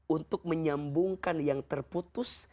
untuk menyambungkan yang terputus